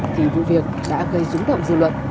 thì vụ việc đã gây rúng động dư luận